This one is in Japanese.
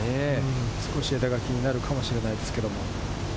少し枝が気になるかもしれないですけれど。